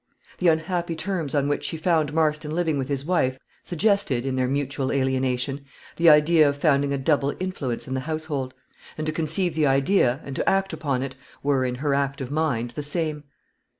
The unhappy terms on which she found Marston living with his wife, suggested, in their mutual alienation, the idea of founding a double influence in the household; and to conceive the idea, and to act upon it, were, in her active mind, the same.